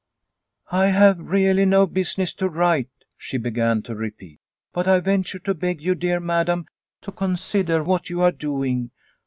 " I have really no business to write," she began to repeat, " but I venture to beg you, dear madam, to consider what you are doing.